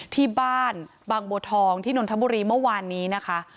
ที่บ้านบางบัวทองที่นนทบุรีเมื่อวานนี้นะคะ